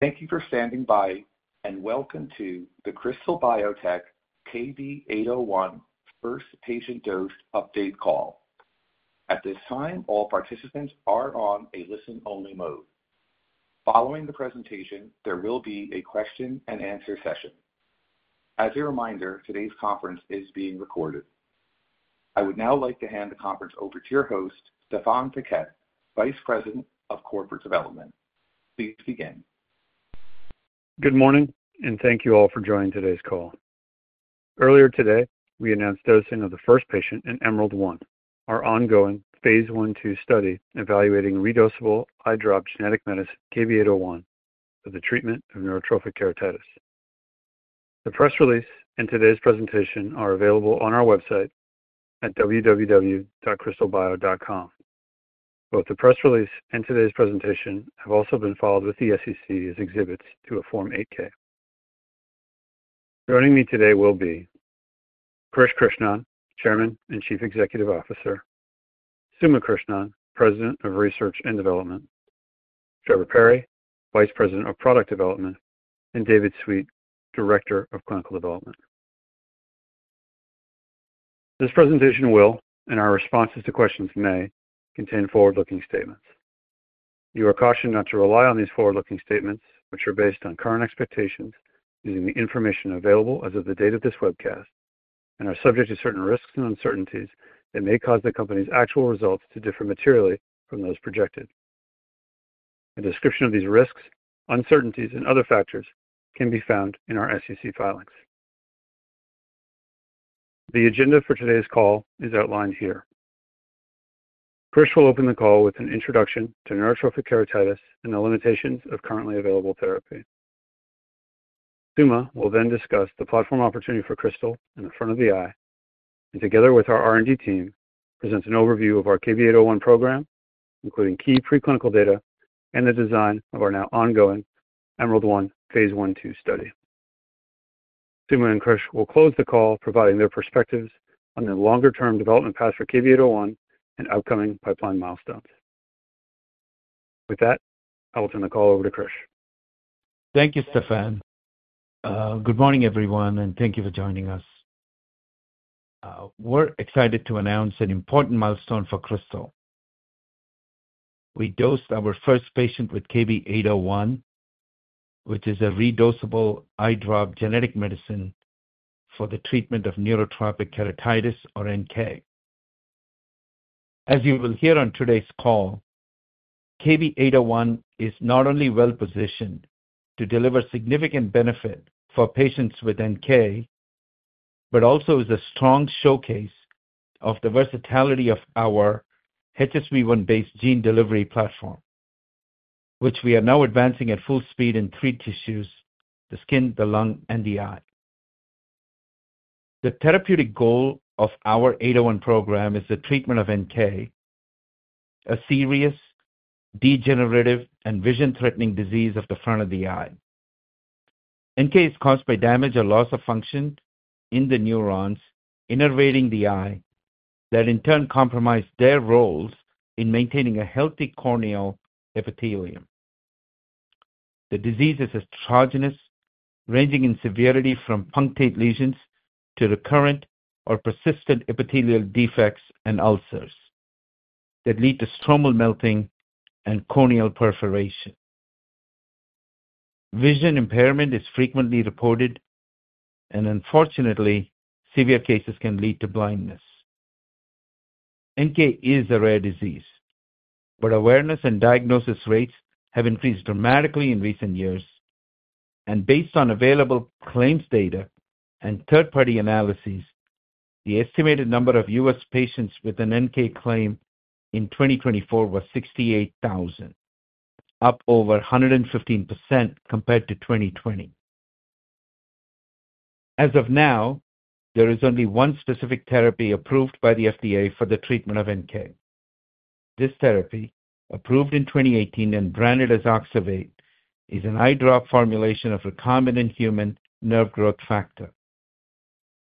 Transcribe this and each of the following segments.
Thank you for standing by, and welcome to the Krystal Biotech KB801 first patient dose update call. At this time, all participants are on a listen-only mode. Following the presentation, there will be a question-and-answer session. As a reminder, today's conference is being recorded. I would now like to hand the conference over to your host, Stéphane Paquette, Vice President of Corporate Development. Please begin. Good morning, and thank you all for joining today's call. Earlier today, we announced dosing of the first patient in Emerald-1, our ongoing Phase I-II study evaluating redosable eye drop genetic medicine KB801 for the treatment of neurotrophic keratitis. The press release and today's presentation are available on our website at www.krystalbio.com. Both the press release and today's presentation have also been filed with the SEC as exhibits to a Form 8-K. Joining me today will be Krish Krishnan, Chairman and Chief Executive Officer; Suma Krishnan, President of Research and Development; Trevor Perry, Vice President of Product Development; and David Sweet, Director of Clinical Development. This presentation will, and our responses to questions may, contain forward-looking statements. You are cautioned not to rely on these forward-looking statements, which are based on current expectations using the information available as of the date of this webcast, and are subject to certain risks and uncertainties that may cause the company's actual results to differ materially from those projected. A description of these risks, uncertainties, and other factors can be found in our SEC filings. The agenda for today's call is outlined here. Krish will open the call with an introduction to neurotrophic keratitis and the limitations of currently available therapy. Suma will then discuss the platform opportunity for Krystal in the front of the eye, and together with our R&D team, present an overview of our KB801 program, including key preclinical data and the design of our now ongoing Emerald-1 Phase I-II study. Suma and Krish will close the call providing their perspectives on the longer-term development path for KB801 and upcoming pipeline milestones. With that, I will turn the call over to Krish. Thank you, Stéphane. Good morning, everyone, and thank you for joining us. We're excited to announce an important milestone for Krystal. We dosed our first patient with KB801, which is a redoable eye drop genetic medicine for the treatment of neurotrophic keratitis, or NK. As you will hear on today's call, KB801 is not only well-positioned to deliver significant benefit for patients with NK, but also is a strong showcase of the versatility of our HSV-1-based gene delivery platform, which we are now advancing at full speed in three tissues: the skin, the lung, and the eye. The therapeutic goal of our 801 program is the treatment of NK, a serious degenerative and vision-threatening disease of the front of the eye. NK is caused by damage or loss of function in the neurons innervating the eye that, in turn, compromise their roles in maintaining a healthy corneal epithelium. The disease is heterogeneous, ranging in severity from punctate lesions to recurrent or persistent epithelial defects and ulcers that lead to stromal melting and corneal perforation. Vision impairment is frequently reported, and unfortunately, severe cases can lead to blindness. NK is a rare disease, but awareness and diagnosis rates have increased dramatically in recent years, and based on available claims data and third-party analyses, the estimated number of U.S. patients with an NK claim in 2024 was 68,000, up over 115% compared to 2020. As of now, there is only one specific therapy approved by the FDA for the treatment of NK. This therapy, approved in 2018 and branded as Oxervate, is an eye drop formulation of recombinant human nerve growth factor.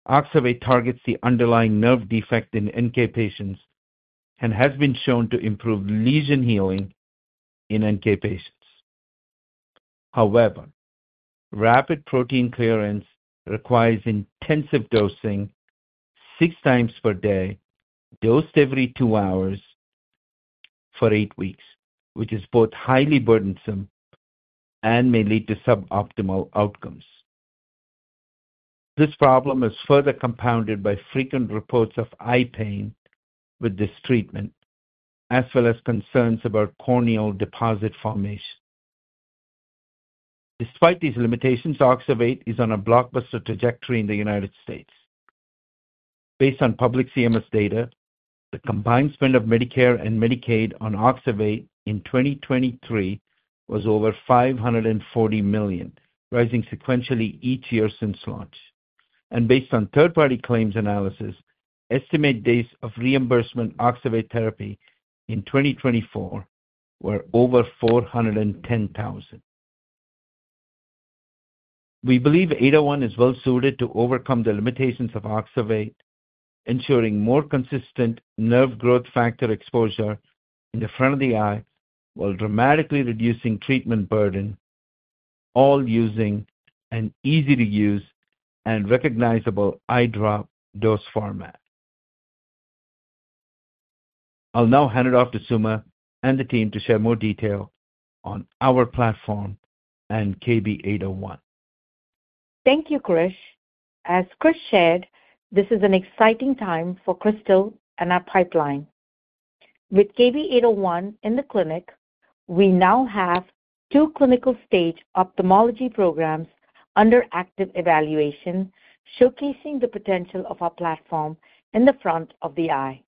Oxervate targets the underlying nerve defect in NK patients and has been shown to improve lesion healing in NK patients. However, rapid protein clearance requires intensive dosing six times per day, dosed every two hours for eight weeks, which is both highly burdensome and may lead to suboptimal outcomes. This problem is further compounded by frequent reports of eye pain with this treatment, as well as concerns about corneal deposit formation. Despite these limitations, Oxervate is on a blockbuster trajectory in the United States. Based on public CMS data, the combined spend of Medicare and Medicaid on Oxervate in 2023 was over $540 million, rising sequentially each year since launch, and based on third-party claims analysis, estimated days of reimbursement for Oxervate therapy in 2024 were over $410,000. We believe 801 is well-suited to overcome the limitations of Oxervate, ensuring more consistent nerve growth factor exposure in the front of the eye while dramatically reducing treatment burden, all using an easy-to-use and recognizable eye drop dose format. I'll now hand it off to Suma and the team to share more detail on our platform and KB801. Thank you, Krish. As Krish shared, this is an exciting time for Krystal and our pipeline. With KB801 in the clinic, we now have two clinical-stage ophthalmology programs under active evaluation, showcasing the potential of our platform in the front of the eye.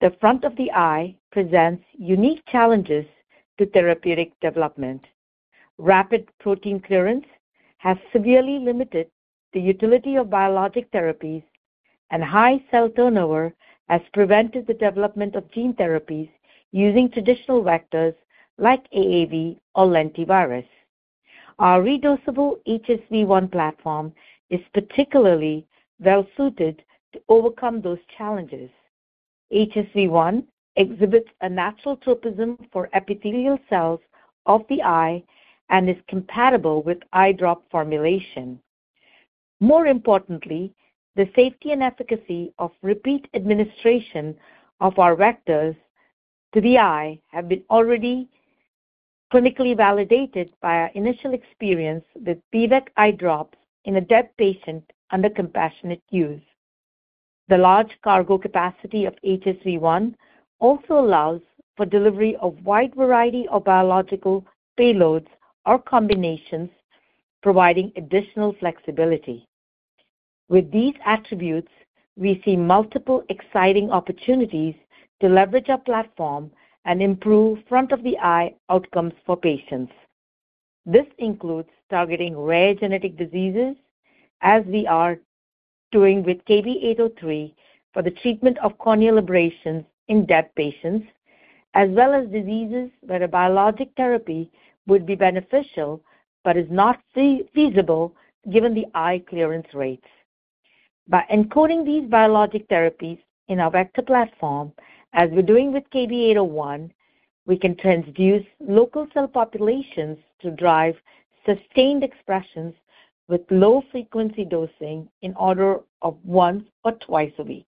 The front of the eye presents unique challenges to therapeutic development. Rapid protein clearance has severely limited the utility of biologic therapies, and high cell turnover has prevented the development of gene therapies using traditional vectors like AAV or lentivirus. Our redosable HSV-1 platform is particularly well-suited to overcome those challenges. HSV-1 exhibits a natural tropism for epithelial cells of the eye and is compatible with eye drop formulation. More importantly, the safety and efficacy of repeat administration of our vectors to the eye have been already clinically validated by our initial experience with B-VEC eye drops in a DEB patient under compassionate use. The large cargo capacity of HSV-1 also allows for delivery of a wide variety of biological payloads or combinations, providing additional flexibility. With these attributes, we see multiple exciting opportunities to leverage our platform and improve front-of-the-eye outcomes for patients. This includes targeting rare genetic diseases, as we are doing with KB803 for the treatment of corneal abrasions in DEB patients, as well as diseases where a biologic therapy would be beneficial but is not feasible given the eye clearance rates. By encoding these biologic therapies in our vector platform, as we're doing with KB801, we can transduce local cell populations to drive sustained expressions with low-frequency dosing in order of once or twice a week.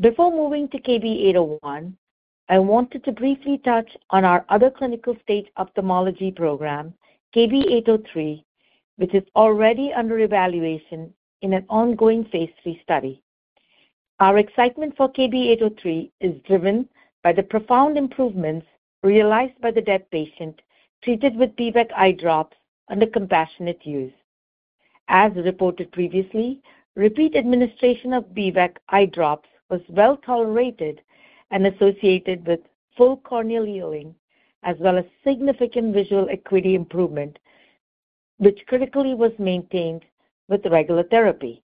Before moving to KB801, I wanted to briefly touch on our other clinical-stage ophthalmology program, KB803, which is already under evaluation in an ongoing Phase III study. Our excitement for KB803 is driven by the profound improvements realized by the DEB patient treated with B-VEC eye drops under compassionate use. As reported previously, repeat administration of B-VEC eye drops was well-tolerated and associated with full corneal healing, as well as significant visual acuity improvement, which critically was maintained with regular therapy.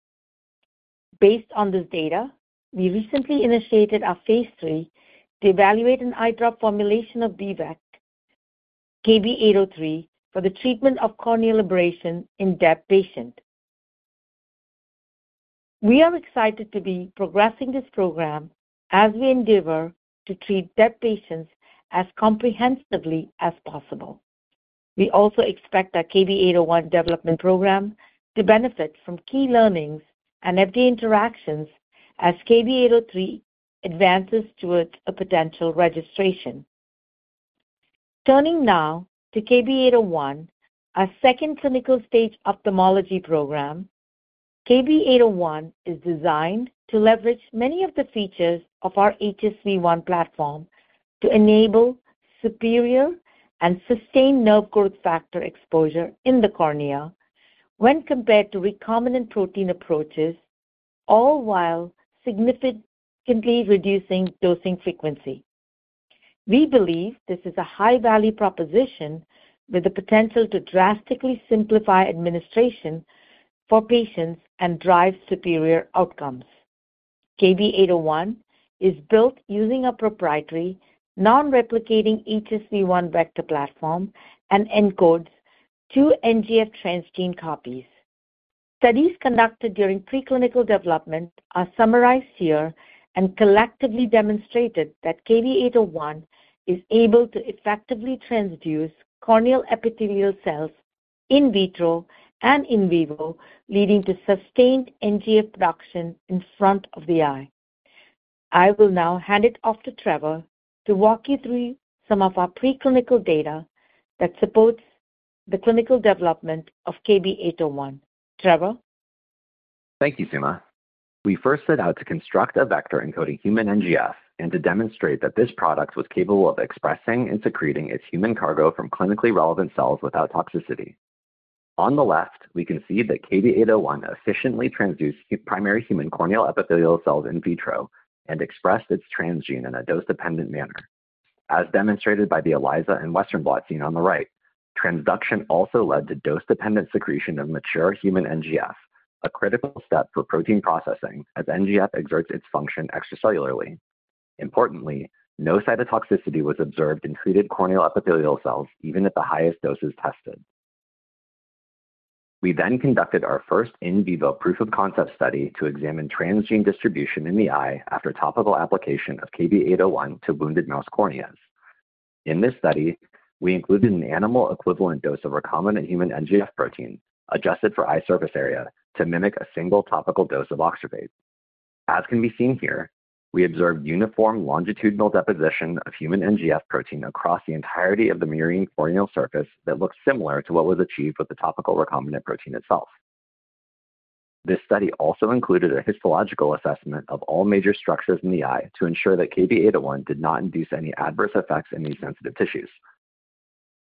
Based on this data, we recently initiated our Phase III to evaluate an eye drop formulation of B-VEC, KB803, for the treatment of corneal abrasion in DEB patients. We are excited to be progressing this program as we endeavor to treat DEB patients as comprehensively as possible. We also expect our KB801 development program to benefit from key learnings and FDA interactions as KB803 advances towards a potential registration. Turning now to KB801, our second clinical-stage ophthalmology program, KB801 is designed to leverage many of the features of our HSV-1 platform to enable superior and sustained nerve growth factor exposure in the cornea when compared to recombinant protein approaches, all while significantly reducing dosing frequency. We believe this is a high-value proposition with the potential to drastically simplify administration for patients and drive superior outcomes. KB801 is built using a proprietary, non-replicating HSV-1 vector platform and encodes two NGF transgene copies. Studies conducted during preclinical development are summarized here and collectively demonstrated that KB801 is able to effectively transduce corneal epithelial cells in vitro and in vivo, leading to sustained NGF production in front of the eye. I will now hand it off to Trevor to walk you through some of our preclinical data that supports the clinical development of KB801. Trevor? Thank you, Suma. We first set out to construct a vector encoding human NGF and to demonstrate that this product was capable of expressing and secreting its human cargo from clinically relevant cells without toxicity. On the left, we can see that KB801 efficiently transduced primary human corneal epithelial cells in vitro and expressed its transgene in a dose-dependent manner. As demonstrated by the ELISA and Western Blot seen on the right, transduction also led to dose-dependent secretion of mature human NGF, a critical step for protein processing as NGF exerts its function extracellularly. Importantly, no cytotoxicity was observed in treated corneal epithelial cells, even at the highest doses tested. We then conducted our first in vivo proof-of-concept study to examine transgene distribution in the eye after topical application of KB801 to wounded mouse corneas. In this study, we included an animal-equivalent dose of recombinant human NGF protein, adjusted for eye surface area, to mimic a single topical dose of Oxervate. As can be seen here, we observed uniform longitudinal deposition of human NGF protein across the entirety of the murine corneal surface that looked similar to what was achieved with the topical recombinant protein itself. This study also included a histological assessment of all major structures in the eye to ensure that KB801 did not induce any adverse effects in these sensitive tissues.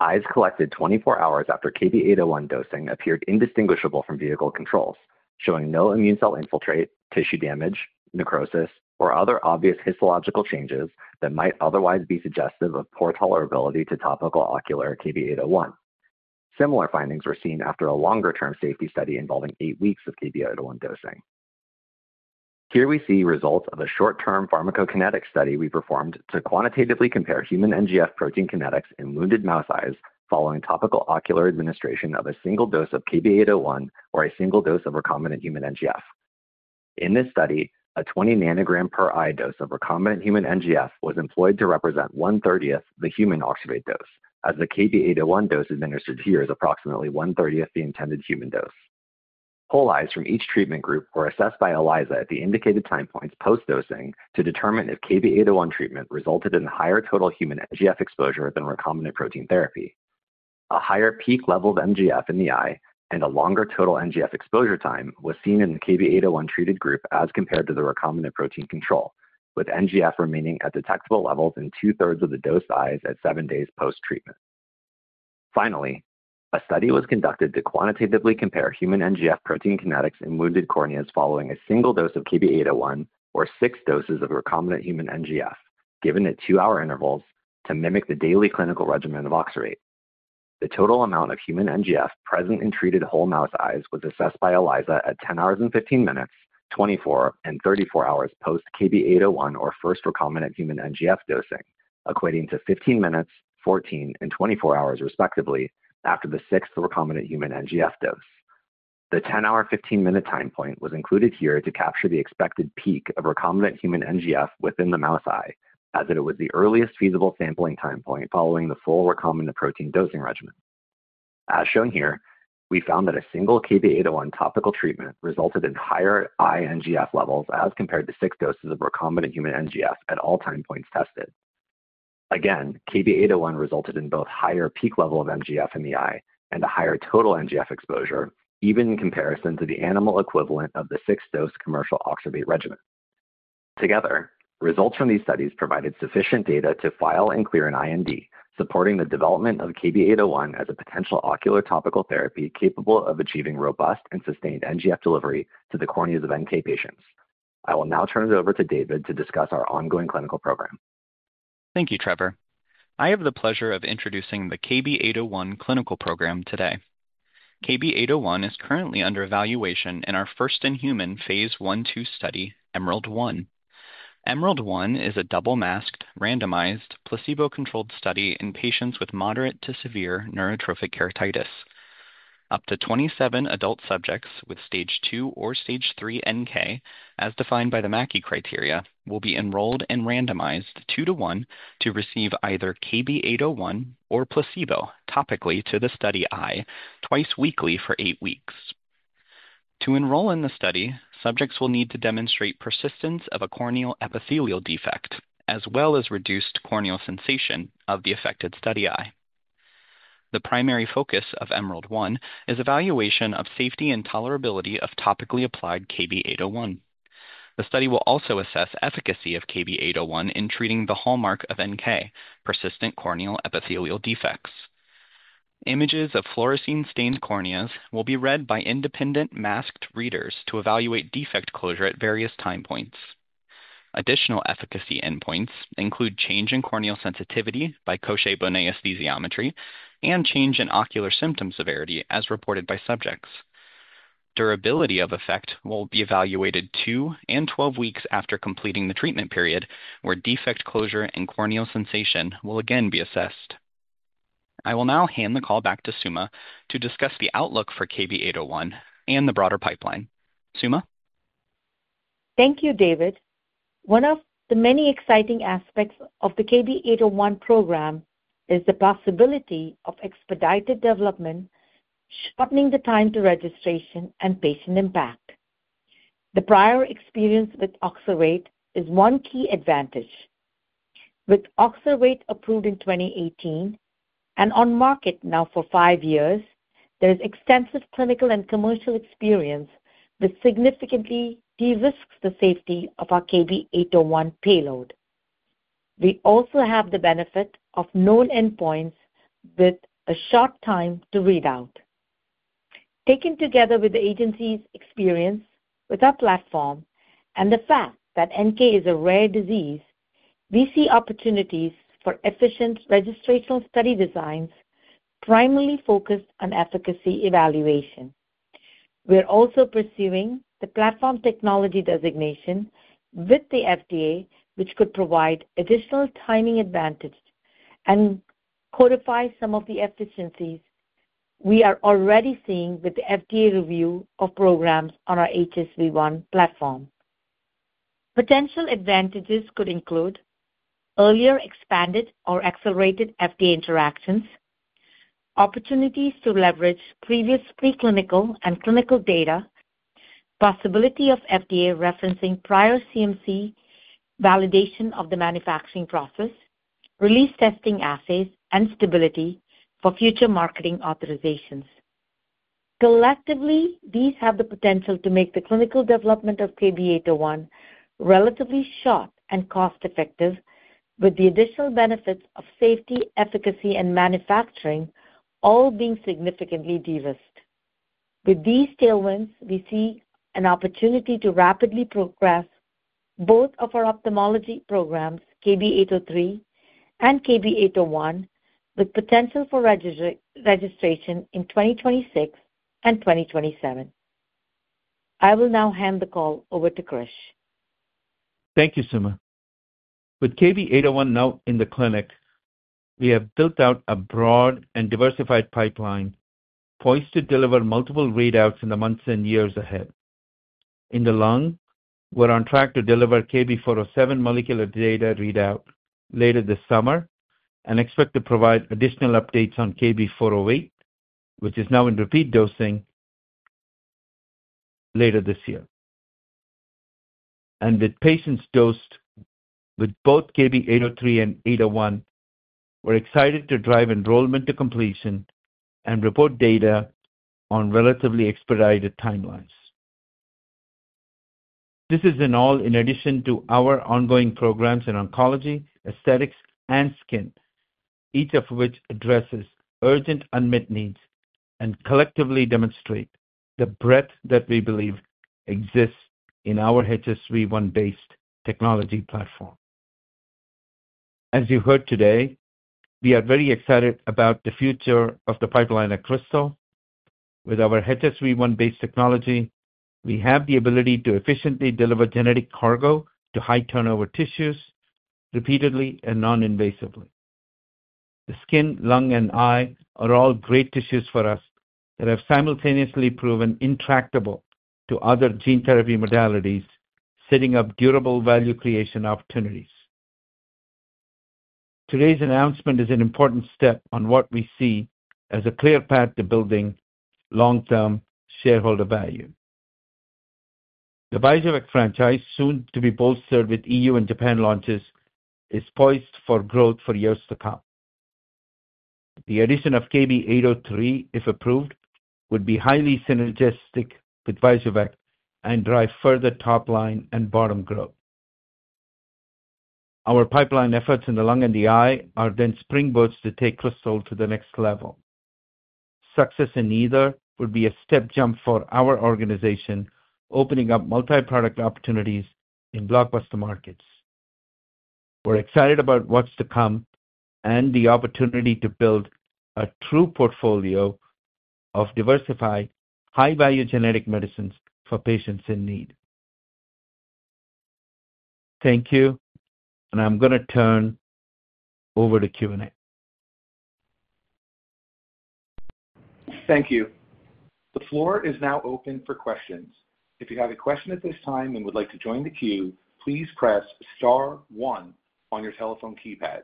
Eyes collected 24 hours after KB801 dosing appeared indistinguishable from vehicle controls, showing no immune cell infiltrate, tissue damage, necrosis, or other obvious histological changes that might otherwise be suggestive of poor tolerability to topical ocular KB801. Similar findings were seen after a longer-term safety study involving eight weeks of KB801 dosing. Here we see results of a short-term pharmacokinetic study we performed to quantitatively compare human NGF protein kinetics in wounded mouse eyes following topical ocular administration of a single dose of KB801 or a single dose of recombinant human NGF. In this study, a 20-nanogram-per-eye dose of recombinant human NGF was employed to represent 1/30 the human Oxervate dose, as the KB801 dose administered here is approximately 1/30 the intended human dose. Whole eyes from each treatment group were assessed by ELISA at the indicated time points post-dosing to determine if KB801 treatment resulted in a higher total human NGF exposure than recombinant protein therapy. A higher peak level of NGF in the eye and a longer total NGF exposure time was seen in the KB801 treated group as compared to the recombinant protein control, with NGF remaining at detectable levels in two-thirds of the dosed eyes at seven days post-treatment. Finally, a study was conducted to quantitatively compare human NGF protein kinetics in wounded corneas following a single dose of KB801 or six doses of recombinant human NGF, given at two-hour intervals to mimic the daily clinical regimen of Oxervate. The total amount of human NGF present in treated whole mouse eyes was assessed by ELISA at 10 hours and 15 minutes, 24, and 34 hours post-KB801 or first recombinant human NGF dosing, equating to 15 minutes, 14, and 24 hours, respectively, after the sixth recombinant human NGF dose. The 10-hour-15-minute time point was included here to capture the expected peak of recombinant human NGF within the mouse eye, as it was the earliest feasible sampling time point following the full recombinant protein dosing regimen. As shown here, we found that a single KB801 topical treatment resulted in higher eye NGF levels as compared to six doses of recombinant human NGF at all time points tested. Again, KB801 resulted in both higher peak level of NGF in the eye and a higher total NGF exposure, even in comparison to the animal-equivalent of the sixth-dose commercial Oxervate regimen. Altogether, results from these studies provided sufficient data to file and clear an IND supporting the development of KB801 as a potential ocular topical therapy capable of achieving robust and sustained NGF delivery to the corneas of NK patients. I will now turn it over to David to discuss our ongoing clinical program. Thank you, Trevor. I have the pleasure of introducing the KB801 clinical program today. KB801 is currently under evaluation in our first-in-human Phase I-II study, Emerald I. Emerald I is a double-masked, randomized, placebo-controlled study in patients with moderate to severe neurotrophic keratitis. Up to 27 adult subjects with Stage II or Stage III NK, as defined by the Mackie criteria, will be enrolled and randomized two-to-one to receive either KB801 or placebo topically to the study eye twice weekly for eight weeks. To enroll in the study, subjects will need to demonstrate persistence of a corneal epithelial defect as well as reduced corneal sensation of the affected study eye. The primary focus of Emerald I is evaluation of safety and tolerability of topically applied KB801. The study will also assess efficacy of KB801 in treating the hallmark of NK, persistent corneal epithelial defects. Images of fluorescein-stained corneas will be read by independent masked readers to evaluate defect closure at various time points. Additional efficacy endpoints include change in corneal sensitivity by Cochet-Bonnet aesthesiometry and change in ocular symptom severity as reported by subjects. Durability of effect will be evaluated two and 12 weeks after completing the treatment period, where defect closure and corneal sensation will again be assessed. I will now hand the call back to Suma to discuss the outlook for KB801 and the broader pipeline. Suma? Thank you, David. One of the many exciting aspects of the KB801 program is the possibility of expedited development, shortening the time to registration and patient impact. The prior experience with Oxervate is one key advantage. With Oxervate approved in 2018 and on market now for five years, there is extensive clinical and commercial experience that significantly de-risks the safety of our KB801 payload. We also have the benefit of known endpoints with a short time to read out. Taken together with the agency's experience with our platform and the fact that NK is a rare disease, we see opportunities for efficient registrational study designs primarily focused on efficacy evaluation. We're also pursuing the platform technology designation with the FDA, which could provide additional timing advantage and codify some of the efficiencies we are already seeing with the FDA review of programs on our HSV-1 platform. Potential advantages could include earlier expanded or accelerated FDA interactions, opportunities to leverage previous preclinical and clinical data, possibility of FDA referencing prior CMC validation of the manufacturing process, release testing assays, and stability for future marketing authorizations. Collectively, these have the potential to make the clinical development of KB801 relatively short and cost-effective, with the additional benefits of safety, efficacy, and manufacturing all being significantly de-risked. With these tailwinds, we see an opportunity to rapidly progress both of our ophthalmology programs, KB803 and KB801, with potential for registration in 2026 and 2027. I will now hand the call over to Krish. Thank you, Suma. With KB801 now in the clinic, we have built out a broad and diversified pipeline poised to deliver multiple readouts in the months and years ahead. In the lung, we're on track to deliver KB407 molecular data readout later this summer and expect to provide additional updates on KB408, which is now in repeat dosing later this year, and with patients dosed with both KB803 and 801, we're excited to drive enrollment to completion and report data on relatively expedited timelines. This is all in addition to our ongoing programs in oncology, aesthetics, and skin, each of which addresses urgent unmet needs and collectively demonstrate the breadth that we believe exists in our HSV-1-based technology platform. As you heard today, we are very excited about the future of the pipeline at Krystal. With our HSV-1-based technology, we have the ability to efficiently deliver genetic cargo to high-turnover tissues repeatedly and non-invasively. The skin, lung, and eye are all great tissues for us that have simultaneously proven intractable to other gene therapy modalities, setting up durable value creation opportunities. Today's announcement is an important step on what we see as a clear path to building long-term shareholder value. The Vyjuvek franchise, soon to be bolstered with EU and Japan launches, is poised for growth for years to come. The addition of KB803, if approved, would be highly synergistic with Vyjuvek and drive further top-line and bottom growth. Our pipeline efforts in the lung and the eye are then springboards to take Krystal to the next level. Success in either would be a step jump for our organization, opening up multi-product opportunities in blockbuster markets. We're excited about what's to come and the opportunity to build a true portfolio of diversified, high-value genetic medicines for patients in need. Thank you, and I'm going to turn over to Q&A. Thank you. The floor is now open for questions. If you have a question at this time and would like to join the queue, please press Star 1 on your telephone keypad.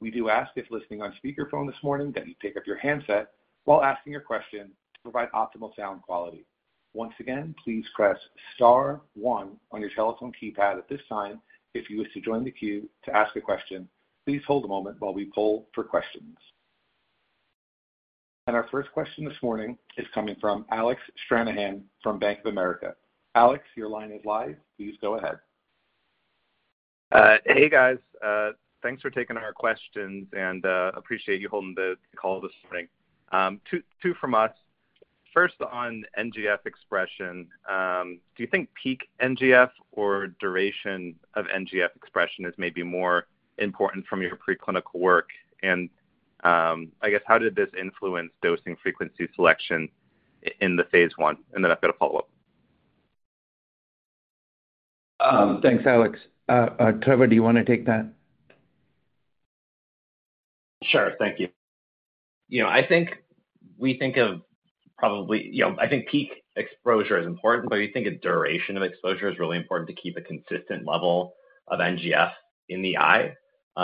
We do ask if listening on speakerphone this morning that you take up your handset while asking your question to provide optimal sound quality. Once again, please press Star 1 on your telephone keypad at this time. If you wish to join the queue to ask a question, please hold a moment while we pull for questions, and our first question this morning is coming from Alec Stranahan from Bank of America. Alec, your line is live. Please go ahead. Hey, guys. Thanks for taking our questions, and I appreciate you holding the call this morning. Two from us. First, on NGF expression, do you think peak NGF or duration of NGF expression is maybe more important from your preclinical work? And I guess, how did this influence dosing frequency selection in the Phase I? And then I've got a follow-up. Thanks, Alec. Trevor, do you want to take that? Sure. Thank you. I think probably peak exposure is important, but we think a duration of exposure is really important to keep a consistent level of NGF in the eye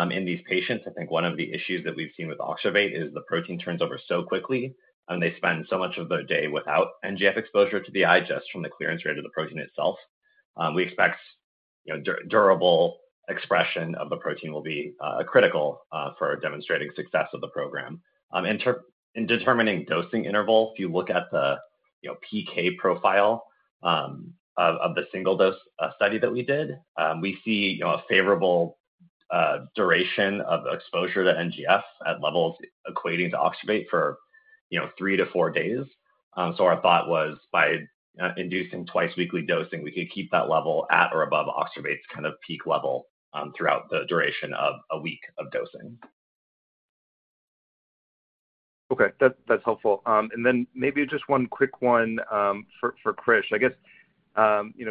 in these patients. I think one of the issues that we've seen with Oxervate is the protein turns over so quickly, and they spend so much of their day without NGF exposure to the eye just from the clearance rate of the protein itself. We expect durable expression of the protein will be critical for demonstrating success of the program. In determining dosing interval, if you look at the PK profile of the single-dose study that we did, we see a favorable duration of exposure to NGF at levels equating to Oxervate for three to four days. So our thought was, by inducing twice-weekly dosing, we could keep that level at or above Oxervate's kind of peak level throughout the duration of a week of dosing. Okay. That's helpful. And then maybe just one quick one for Krish. I guess,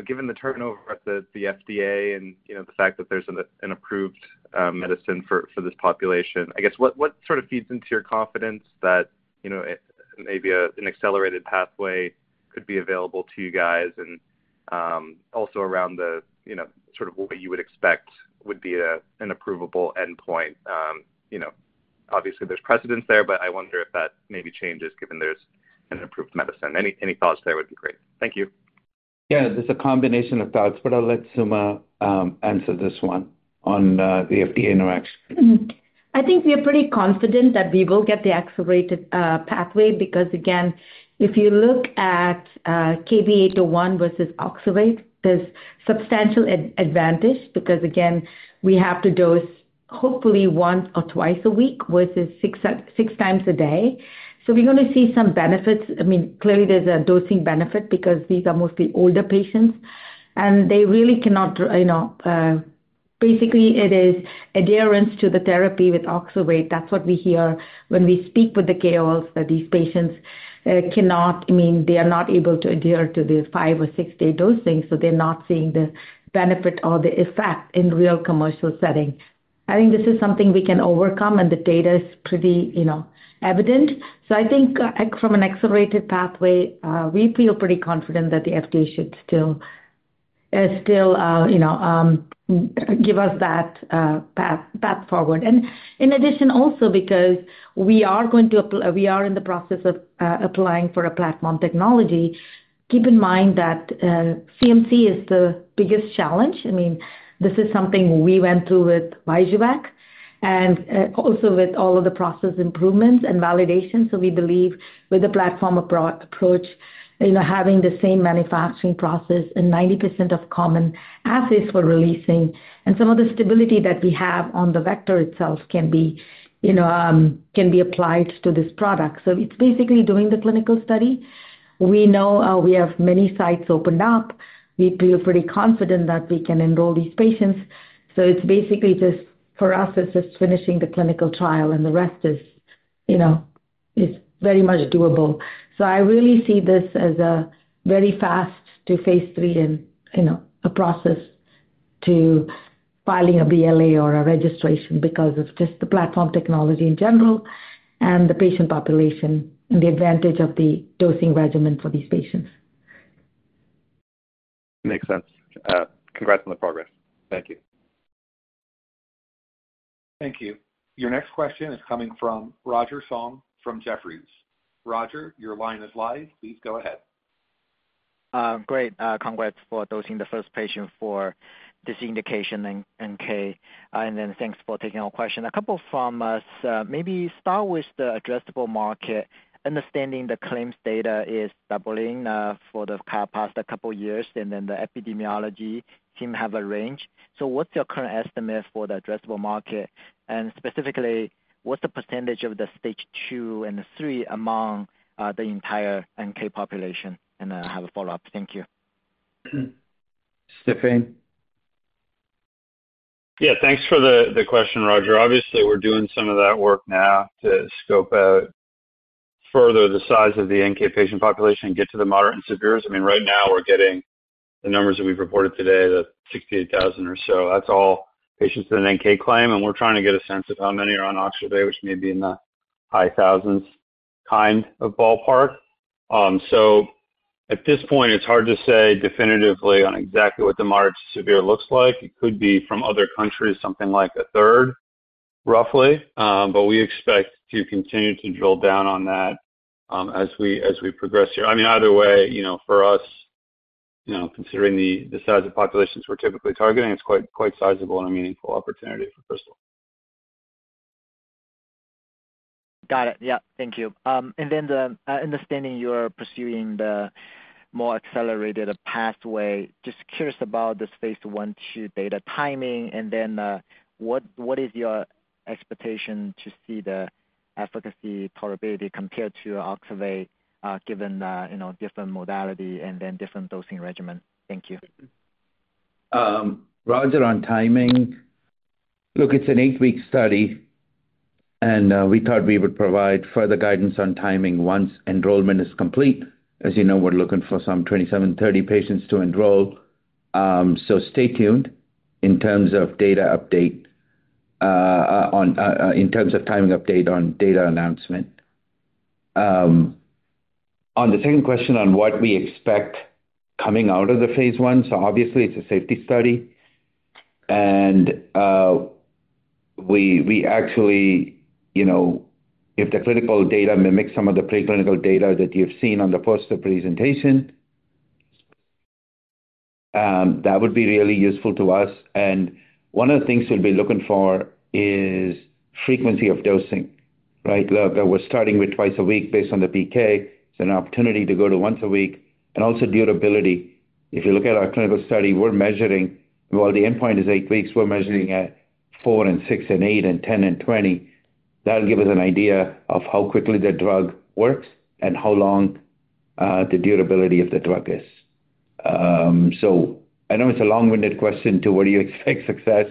given the turnover at the FDA and the fact that there's an approved medicine for this population, I guess, what sort of feeds into your confidence that maybe an accelerated pathway could be available to you guys and also around sort of what you would expect would be an approvable endpoint? Obviously, there's precedent there, but I wonder if that maybe changes given there's an approved medicine. Any thoughts there would be great. Thank you. Yeah. There's a combination of thoughts, but I'll let Suma answer this one on the FDA interaction. I think we are pretty confident that we will get the accelerated pathway because, again, if you look at KB801 versus Oxervate, there's substantial advantage because, again, we have to dose hopefully once or twice a week versus six times a day. So we're going to see some benefits. I mean, clearly, there's a dosing benefit because these are mostly older patients, and they really cannot basically, it is adherence to the therapy with Oxervate. That's what we hear when we speak with the KOLs that these patients cannot I mean, they are not able to adhere to the five or six-day dosing, so they're not seeing the benefit or the effect in real commercial setting. I think this is something we can overcome, and the data is pretty evident. So I think from an accelerated pathway, we feel pretty confident that the FDA should still give us that path forward. And in addition, also because we are in the process of applying for a platform technology, keep in mind that CMC is the biggest challenge. I mean, this is something we went through with Vyjuvek and also with all of the process improvements and validation. So we believe with the platform approach, having the same manufacturing process and 90% of common assays for releasing and some of the stability that we have on the vector itself can be applied to this product. So it's basically doing the clinical study. We know we have many sites opened up. We feel pretty confident that we can enroll these patients. So it's basically just for us, it's just finishing the clinical trial, and the rest is very much doable. So I really see this as a very fast to Phase III and a process to filing a BLA or a registration because of just the platform technology in general and the patient population and the advantage of the dosing regimen for these patients. Makes sense. Congrats on the progress. Thank you. Thank you. Your next question is coming from Roger Song from Jefferies. Roger, your line is live. Please go ahead. Great. Congrats for dosing the first patient for this indication in NK. And then thanks for taking our question. A couple from us. Maybe start with the addressable market. Understanding the claims data is doubling for the past couple of years, and then the epidemiology team have a range. So what's your current estimate for the addressable market? And specifically, what's the percentage of the Stage II and III among the entire NK population? And I have a follow-up. Thank you. Stéphane. Yeah. Thanks for the question, Roger. Obviously, we're doing some of that work now to scope out further the size of the NK patient population and get to the moderate and severes. I mean, right now, we're getting the numbers that we've reported today, the 68,000 or so. That's all patients with an NK claim, and we're trying to get a sense of how many are on Oxervate, which may be in the high thousands kind of ballpark. So at this point, it's hard to say definitively on exactly what the moderate to severe looks like. It could be from other countries, something like a third, roughly. We expect to continue to drill down on that as we progress here. I mean, either way, for us, considering the size of populations we're typically targeting, it's quite sizable and a meaningful opportunity for Krystal. Got it. Yeah. Thank you. And then understanding you're pursuing the more accelerated pathway, just curious about this Phase I-II data timing, and then what is your expectation to see the efficacy tolerability compared to Oxervate given different modality and then different dosing regimen? Thank you. Roger on timing. Look, it's an eight-week study, and we thought we would provide further guidance on timing once enrollment is complete. As you know, we're looking for some 27, 30 patients to enroll, so stay tuned in terms of data update in terms of timing update on data announcement. On the second question on what we expect coming out of the Phase I, so obviously, it's a safety study, and we actually, if the clinical data mimics some of the preclinical data that you've seen on the first of the presentation, that would be really useful to us, and one of the things we'll be looking for is frequency of dosing, right? We're starting with twice a week based on the PK. It's an opportunity to go to once a week, and also durability. If you look at our clinical study, we're measuring, while the endpoint is eight weeks, we're measuring at four and six and eight and ten and twenty. That'll give us an idea of how quickly the drug works and how long the durability of the drug is. So I know it's a long-winded question to what do you expect success,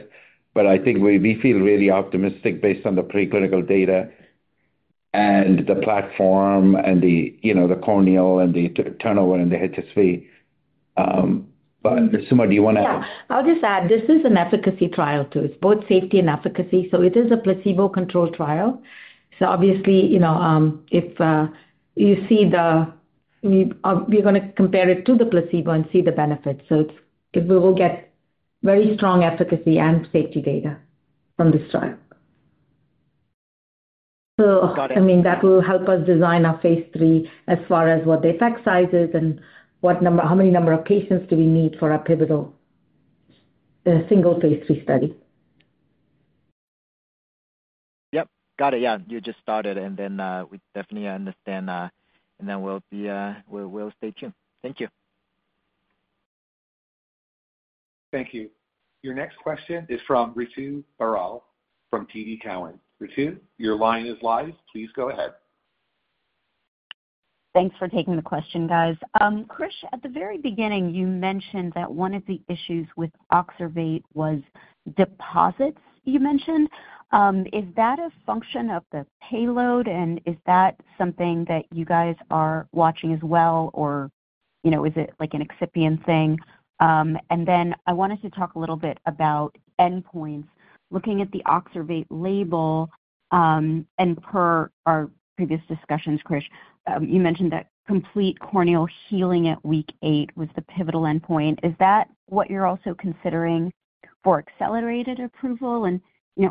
but I think we feel really optimistic based on the preclinical data and the platform and the corneal and the turnover and the HSV. But Suma, do you want to? Yeah. I'll just add this is an efficacy trial too. It's both safety and efficacy. So it is a placebo-controlled trial. So obviously, if you see, we're going to compare it to the placebo and see the benefits. So we will get very strong efficacy and safety data from this trial. So I mean, that will help us design our Phase III as far as what the effect size is and how many number of patients do we need for a pivotal single Phase III study. Yep. Got it. Yeah. You just started. And then we definitely understand. And then we'll stay tuned. Thank you. Thank you. Your next question is from Ritu Baral from TD Cowen. Ritu, your line is live. Please go ahead. Thanks for taking the question, guys. Krish, at the very beginning, you mentioned that one of the issues with Oxervate was deposits you mentioned. Is that a function of the payload, and is that something that you guys are watching as well, or is it an excipient thing? And then I wanted to talk a little bit about endpoints. Looking at the Oxervate label and per our previous discussions, Krish, you mentioned that complete corneal healing at week eight was the pivotal endpoint. Is that what you're also considering for accelerated approval? And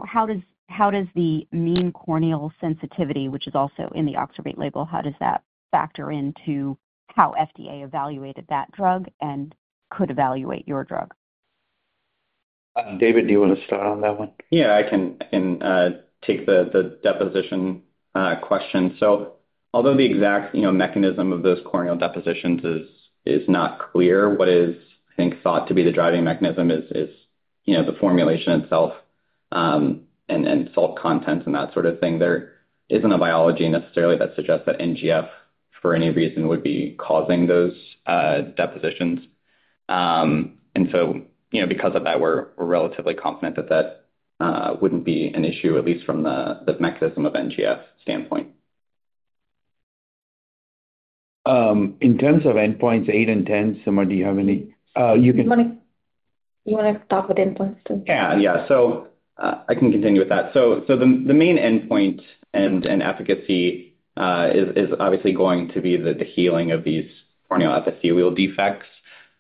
how does the mean corneal sensitivity, which is also in the Oxervate label, how does that factor into how FDA evaluated that drug and could evaluate your drug? David, do you want to start on that one? Yeah. I can take the deposition question. So although the exact mechanism of those corneal depositions is not clear, what is, I think, thought to be the driving mechanism is the formulation itself and salt contents and that sort of thing. There isn't a biology necessarily that suggests that NGF for any reason would be causing those depositions. And so because of that, we're relatively confident that that wouldn't be an issue, at least from the mechanism of NGF standpoint. In terms of endpoints eight and 10, Suma, do you have any? You want to start with endpoints? Yeah. Yeah. So I can continue with that. So the main endpoint and efficacy is obviously going to be the healing of these corneal epithelial defects.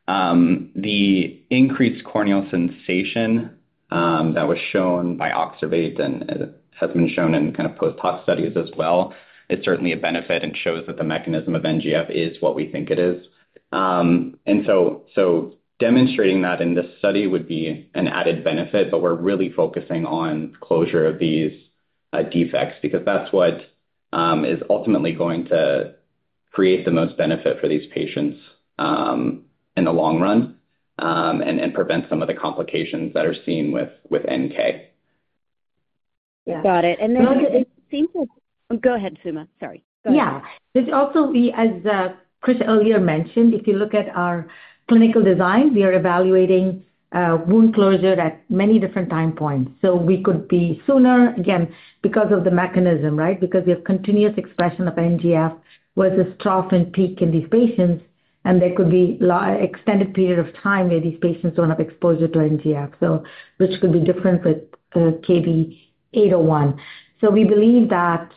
The increased corneal sensation that was shown by Oxervate and has been shown in kind of post-hoc studies as well is certainly a benefit and shows that the mechanism of NGF is what we think it is. And so demonstrating that in this study would be an added benefit, but we're really focusing on closure of these defects because that's what is ultimately going to create the most benefit for these patients in the long run and prevent some of the complications that are seen with NK. Got it. And then it seems like go ahead, Suma. Sorry. Yeah. Also, as Krish earlier mentioned, if you look at our clinical design, we are evaluating wound closure at many different time points. So we could be sooner, again, because of the mechanism, right? Because we have continuous expression of NGF versus trough and peak in these patients, and there could be an extended period of time where these patients don't have exposure to NGF, which could be different with KB801. So we believe that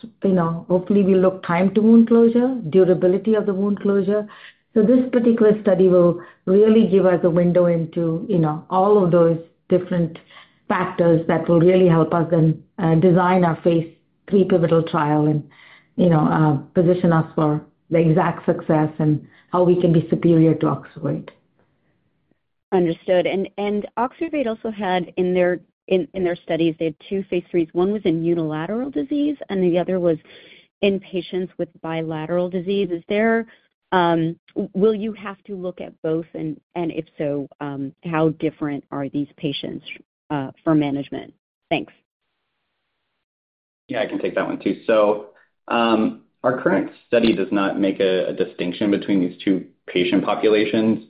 hopefully we look time to wound closure, durability of the wound closure. So this particular study will really give us a window into all of those different factors that will really help us then design our Phase III pivotal trial and position us for the exact success and how we can be superior to Oxervate. Understood. And Oxervate also had in their studies, they had two Phase IIIs. One was in unilateral disease, and the other was in patients with bilateral disease. Will you have to look at both? And if so, how different are these patients for management? Thanks. Yeah. I can take that one too. So our current study does not make a distinction between these two patient populations.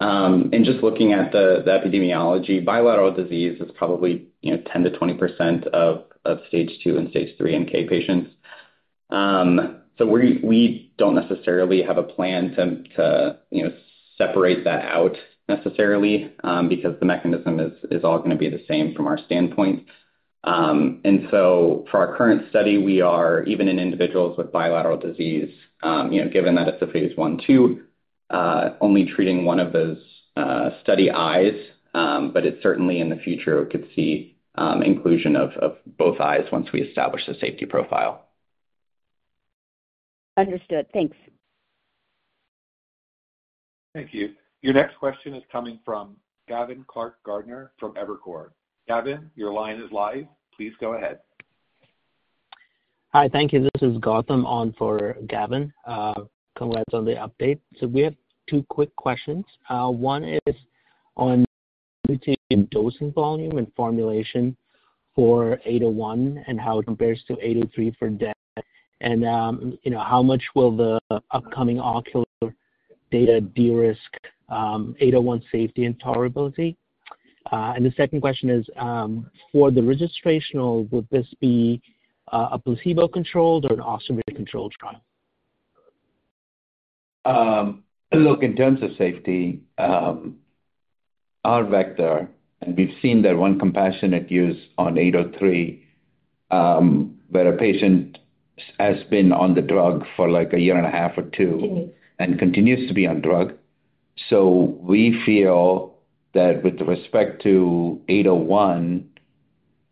And just looking at the epidemiology, bilateral disease is probably 10%-20% of Stage II and Stage III NK patients. So we don't necessarily have a plan to separate that out necessarily because the mechanism is all going to be the same from our standpoint. And so for our current study, we are even in individuals with bilateral disease, given that it's a Phase I-II, only treating one of those study eyes, but it's certainly in the future we could see inclusion of both eyes once we establish the safety profile. Understood. Thanks. Thank you. Your next question is coming from Gavin Clark-Gartner from Evercore ISI. Gavin, your line is live. Please go ahead. Hi. Thank you. This is Gautam on for Gavin. Congrats on the update. So we have two quick questions. One is on dosing volume and formulation for 801 and how it compares to 803 for DEB. And how much will the upcoming ocular data de-risk 801 safety and tolerability? And the second question is for the registrational, would this be a placebo-controlled or an Oxervate-controlled trial? Look, in terms of safety, our vector and we've seen that one compassionate use on 803 where a patient has been on the drug for like a year and a half or two and continues to be on drug. So we feel that with respect to 801,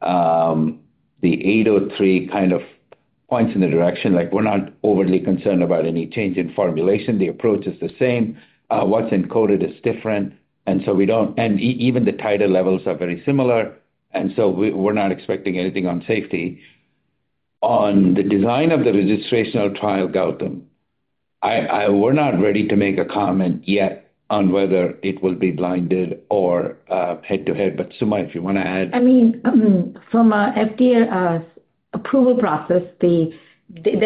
the 803 kind of points in the direction like we're not overly concerned about any change in formulation. The approach is the same. What's encoded is different. And so we don't and even the titer levels are very similar. And so we're not expecting anything on safety. On the design of the registrational trial, Gautam, we're not ready to make a comment yet on whether it will be blinded or head-to-head. But Suma, if you want to add. I mean, from an FDA approval process, they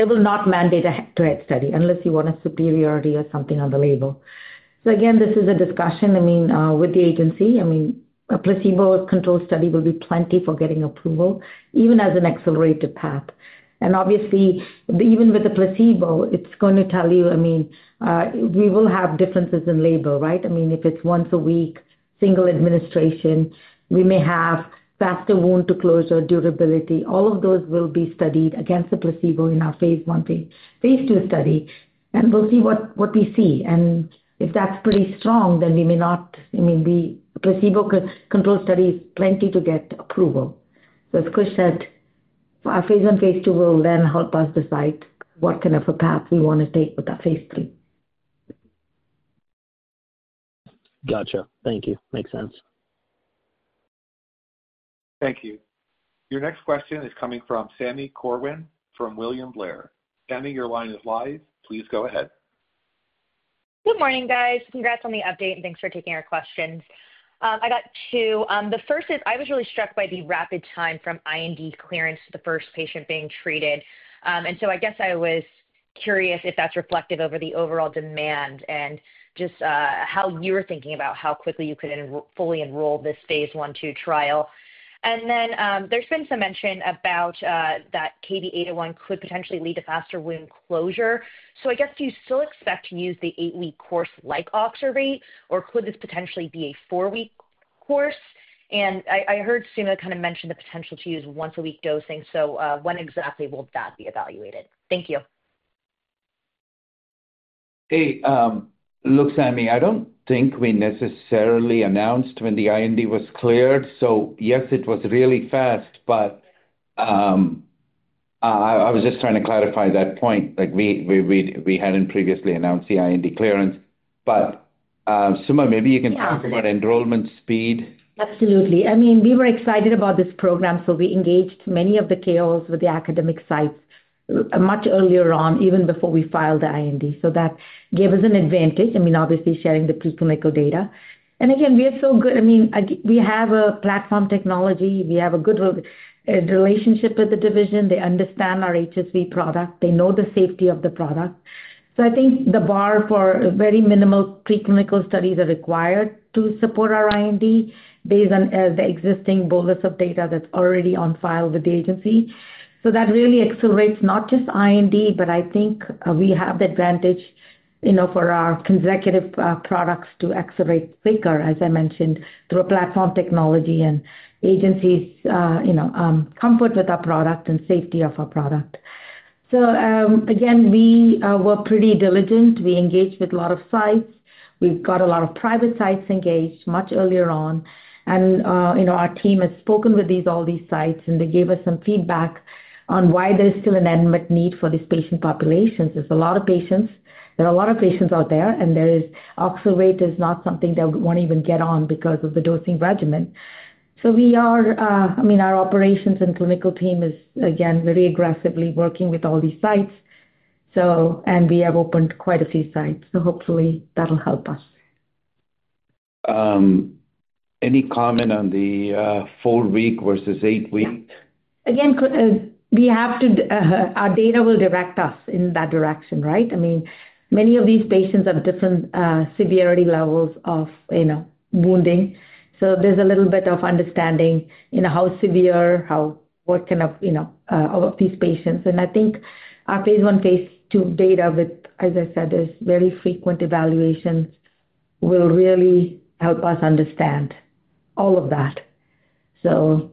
will not mandate a head-to-head study unless you want a superiority or something on the label. So again, this is a discussion, I mean, with the agency. I mean, a placebo-controlled study will be plenty for getting approval, even as an accelerated path. And obviously, even with the placebo, it's going to tell you, I mean, we will have differences in label, right? I mean, if it's once a week, single administration, we may have faster wound-to-closure durability. All of those will be studied against the placebo in our Phase I-II study. And we'll see what we see. And if that's pretty strong, then we may not, I mean, the placebo-controlled study is plenty to get approval. As Krish said, our Phase I and Phase II will then help us decide what kind of a path we want to take with our Phase III. Gotcha. Thank you. Makes sense. Thank you. Your next question is coming from Sami Corwin from William Blair. Sami, your line is live. Please go ahead. Good morning, guys. Congrats on the update, and thanks for taking our questions. I got two. The first is I was really struck by the rapid time from IND clearance to the first patient being treated. And so I guess I was curious if that's reflective of the overall demand and just how you were thinking about how quickly you could fully enroll this Phase I-II trial. And then there's been some mention about that KB801 could potentially lead to faster wound closure. So I guess, do you still expect to use the eight-week course like Oxervate, or could this potentially be a four-week course? And I heard Suma kind of mention the potential to use once-a-week dosing. So when exactly will that be evaluated? Thank you. Hey, look, Sami, I don't think we necessarily announced when the IND was cleared. So yes, it was really fast, but I was just trying to clarify that point. We hadn't previously announced the IND clearance. But Suma, maybe you can talk about enrollment speed. Absolutely. I mean, we were excited about this program, so we engaged many of the KOLs with the academic sites much earlier on, even before we filed the IND. So that gave us an advantage. I mean, obviously, sharing the preclinical data, and again, we are so good. I mean, we have a platform technology. We have a good relationship with the division. They understand our HSV product. They know the safety of the product. So I think the bar for very minimal preclinical studies are required to support our IND based on the existing bolus of data that's already on file with the agency. So that really accelerates not just IND, but I think we have the advantage for our consecutive products to accelerate quicker, as I mentioned, through a platform technology and agencies' comfort with our product and safety of our product. So again, we were pretty diligent. We engaged with a lot of sites. We've got a lot of private sites engaged much earlier on, and our team has spoken with all these sites, and they gave us some feedback on why there's still an end-to-end need for these patient populations. There's a lot of patients. There are a lot of patients out there, and Oxervate is not something that we want to even get on because of the dosing regimen, so I mean, our operations and clinical team is, again, very aggressively working with all these sites, and we have opened quite a few sites, so hopefully, that'll help us. Any comment on the four-week versus eight-week? Again, our data will direct us in that direction, right? I mean, many of these patients have different severity levels of wounding. So there's a little bit of understanding how severe, what kind of these patients, and I think our Phase I, Phase II data with, as I said, there's very frequent evaluations will really help us understand all of that, so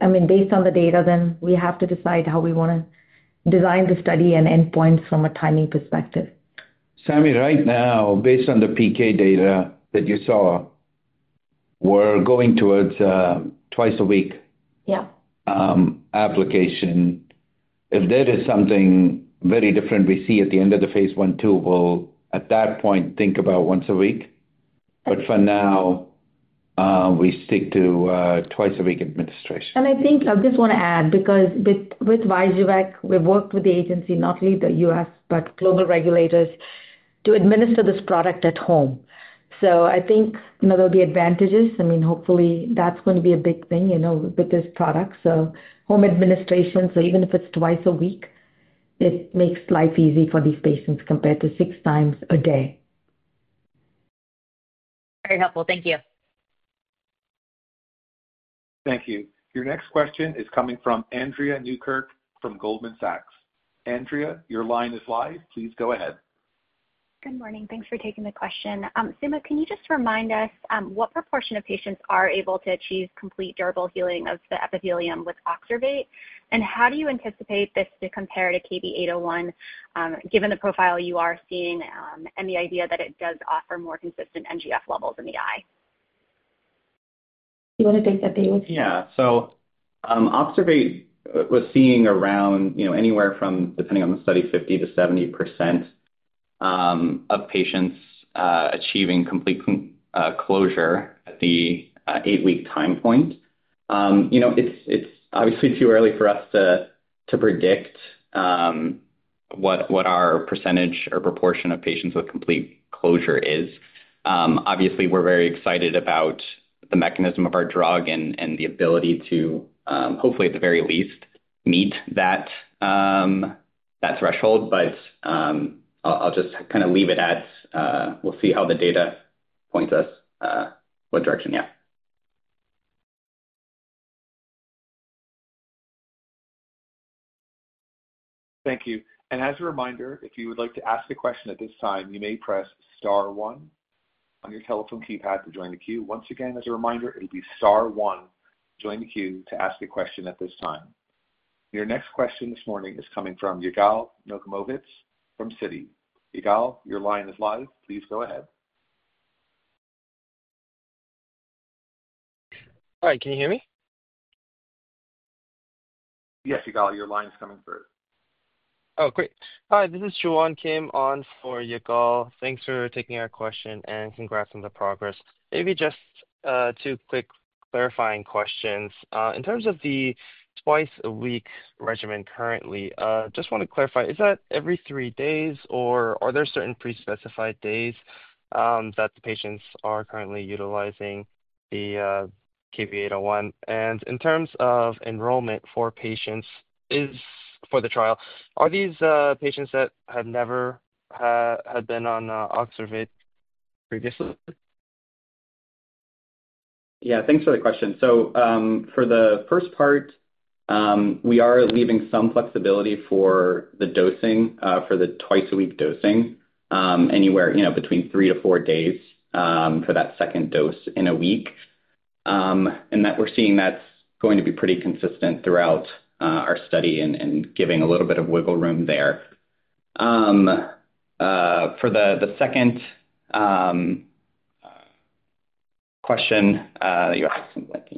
I mean, based on the data, then we have to decide how we want to design the study and endpoints from a timing perspective. Sami, right now, based on the PK data that you saw, we're going towards a twice-a-week application. If there is something very different we see at the end of the Phase I-II, we'll at that point think about once a week. But for now, we stick to twice-a-week administration. And I think I just want to add because with Vyjuvek, we've worked with the agency, not only the U.S., but global regulators to administer this product at home. So I think there'll be advantages. I mean, hopefully, that's going to be a big thing with this product. So home administration. So even if it's twice a week, it makes life easy for these patients compared to six times a day. Very helpful. Thank you. Thank you. Your next question is coming from Andrea Newkirk from Goldman Sachs. Andrea, your line is live. Please go ahead. Good morning. Thanks for taking the question. Suma, can you just remind us what proportion of patients are able to achieve complete durable healing of the epithelium with Oxervate? And how do you anticipate this to compare to KB801 given the profile you are seeing and the idea that it does offer more consistent NGF levels in the eye? Do you want to take that, David? Yeah. So Oxervate was seeing around anywhere from, depending on the study, 50%-70% of patients achieving complete closure at the eight-week time point. It's obviously too early for us to predict what our percentage or proportion of patients with complete closure is. Obviously, we're very excited about the mechanism of our drug and the ability to hopefully, at the very least, meet that threshold. But I'll just kind of leave it at we'll see how the data points us what direction, yeah. Thank you. And as a reminder, if you would like to ask a question at this time, you may press star one on your telephone keypad to join the queue. Once again, as a reminder, it'll be star one, join the queue to ask a question at this time. Your next question this morning is coming from Yigal Nochomovitz from Citigroup. Yigal, your line is live. Please go ahead. Hi. Can you hear me? Yes, Yigal. Your line is coming through. Oh, great. Hi. This is Joanne Wu coming on for Yigal Nochomovitz. Thanks for taking our question and congrats on the progress. Maybe just two quick clarifying questions. In terms of the twice-a-week regimen currently, I just want to clarify. Is that every three days, or are there certain pre-specified days that the patients are currently utilizing the KB801? And in terms of enrollment for patients for the trial, are these patients that had never had been on Oxervate previously? Yeah. Thanks for the question. So for the first part, we are leaving some flexibility for the dosing, for the twice-a-week dosing, anywhere between three to four days for that second dose in a week. And we're seeing that's going to be pretty consistent throughout our study and giving a little bit of wiggle room there. For the second question, you asked something like.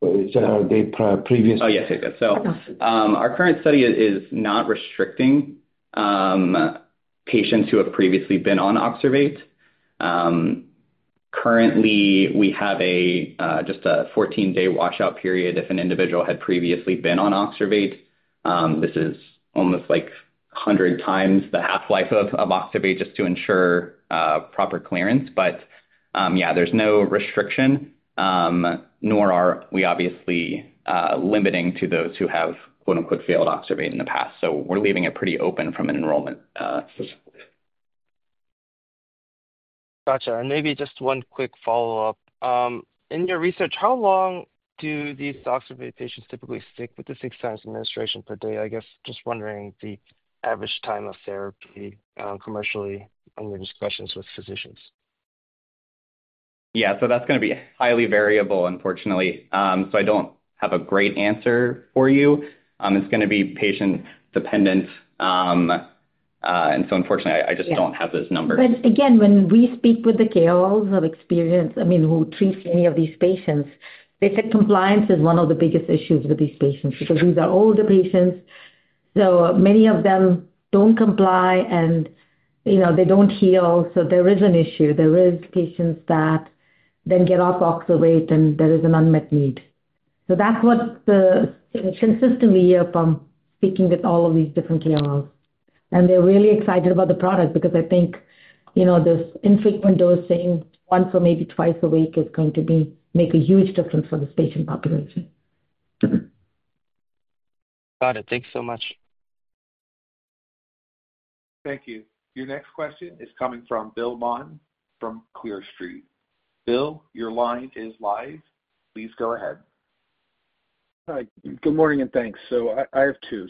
Wait, so the previous. Oh, yes, yes, yes. So our current study is not restricting patients who have previously been on Oxervate. Currently, we have just a 14-day washout period if an individual had previously been on Oxervate. This is almost like 100 times the half-life of Oxervate just to ensure proper clearance. But yeah, there's no restriction, nor are we obviously limiting to those who have "failed Oxervate" in the past. So we're leaving it pretty open from an enrollment system. Gotcha. And maybe just one quick follow-up. In your research, how long do these Oxervate patients typically stick with the six times administration per day? I guess just wondering the average time of therapy commercially on your discussions with physicians? Yeah. So that's going to be highly variable, unfortunately. So I don't have a great answer for you. It's going to be patient-dependent, and so unfortunately, I just don't have those numbers. But again, when we speak with the KOLs of experience, I mean, who treat any of these patients, they said compliance is one of the biggest issues with these patients because these are older patients. So many of them don't comply, and they don't heal. So there is an issue. There are patients that then get off Oxervate, and there is an unmet need. So that's what consistently we hear from speaking with all of these different KOLs. And they're really excited about the product because I think this infrequent dosing, once or maybe twice a week, is going to make a huge difference for this patient population. Got it. Thanks so much. Thank you. Your next question is coming from Bill Maughn from Canaccord Genuity. Bill, your line is live. Please go ahead. Hi. Good morning, and thanks. I have two.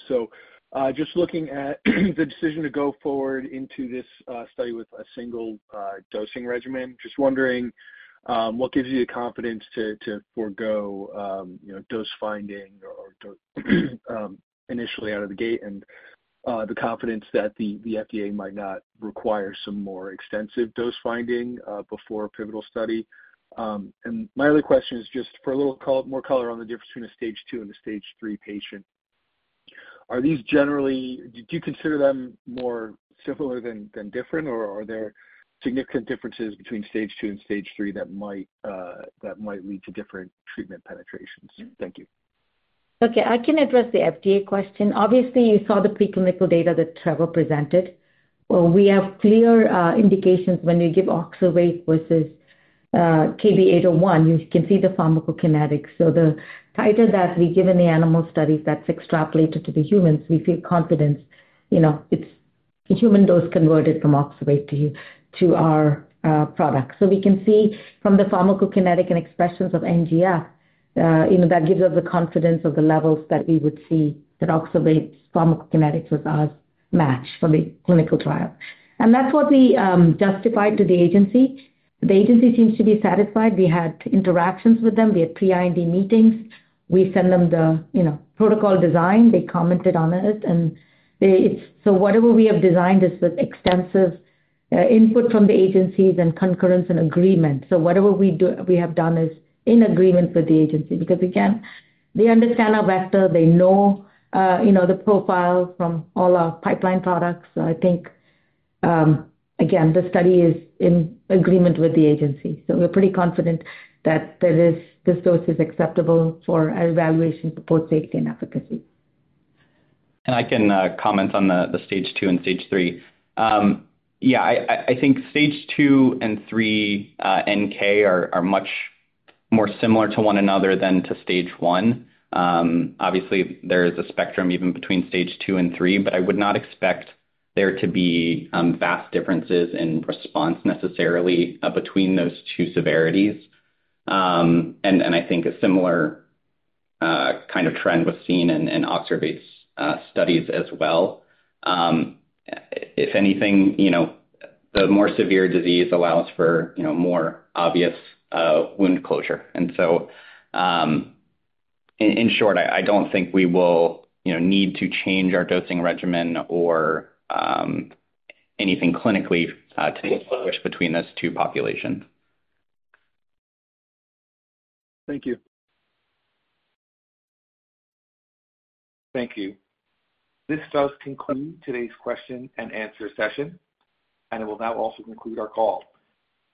Just looking at the decision to go forward into this study with a single dosing regimen, just wondering what gives you the confidence to forego dose finding initially out of the gate and the confidence that the FDA might not require some more extensive dose finding before a pivotal study. And my other question is just for a little more color on the difference between a Stage II and a Stage III patient. Are these generally, do you consider them more similar than different, or are there significant differences between Stage II and Stage III that might lead to different treatment penetrations? Thank you. Okay. I can address the FDA question. Obviously, you saw the preclinical data that Trevor presented. We have clear indications when you give Oxervate versus KB801. You can see the pharmacokinetics. So the title that we give in the animal studies that's extrapolated to the humans, we feel confident it's human dose converted from Oxervate to our product. So we can see from the pharmacokinetic and expressions of NGF that gives us the confidence of the levels that we would see that Oxervate's pharmacokinetics with us match for the clinical trial. And that's what we justified to the agency. The agency seems to be satisfied. We had interactions with them. We had pre-IND meetings. We sent them the protocol design. They commented on it. And so whatever we have designed is with extensive input from the agencies and concurrence and agreement. So whatever we have done is in agreement with the agency because, again, they understand our vector. They know the profile from all our pipeline products. So I think, again, the study is in agreement with the agency. So we're pretty confident that this dose is acceptable for evaluation for both safety and efficacy. I can comment on the Stage II and Stage III. Yeah. I think Stage II and three NK are much more similar to one another than to Stage I. Obviously, there is a spectrum even between Stage II and three, but I would not expect there to be vast differences in response necessarily between those two severities. And I think a similar kind of trend was seen in Oxervate studies as well. If anything, the more severe disease allows for more obvious wound closure. And so in short, I don't think we will need to change our dosing regimen or anything clinically to distinguish between those two populations. Thank you. Thank you. This does conclude today's question and answer session, and it will now also conclude our call.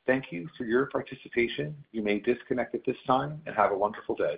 Thank you for your participation. You may disconnect at this time and have a wonderful day.